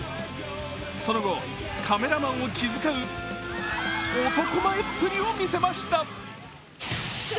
その後、カメラマンを気遣う男前っぷりを見せました。